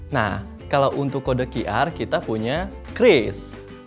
nah kalau untuk kode qr kita punya crace